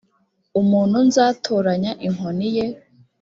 umuntu nzatoranya inkoni ye